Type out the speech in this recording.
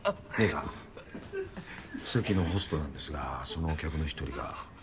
さっきのホストなんですがその客の一人が。